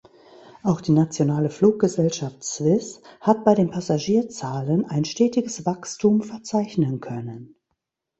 Auch die nationale Fluggesellschaft Swiss hat bei den Passagierzahlen ein stetiges Wachstum verzeichnen können.